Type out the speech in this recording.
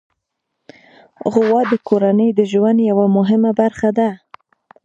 غوا د کورنۍ د ژوند یوه مهمه برخه ده.